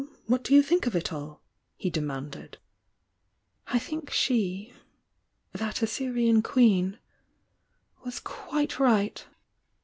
What do you think of it all?" he de manded. "I think she — that Assyrian queen — was quite right!"